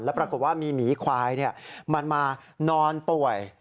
ปรากฏว่ามีหมีควายมันมานอนป่วย